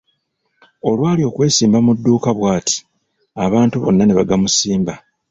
Olwali okwesimba mu dduuka bw'ati, abantu bonna ne bagamusimba.